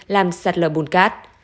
làm sạt lờ bùn cát